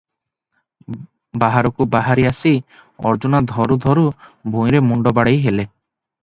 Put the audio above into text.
ବାହାରକୁ ବାହାରି ଆସି ଅର୍ଜୁନା ଧରୁ ଧରୁ ଭୂଇଁରେ ମୁଣ୍ଡ ବାଡ଼େଇ ହେଲେ ।